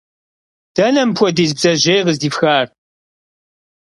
Dene mıpxuediz bdzejêy khızdifxar?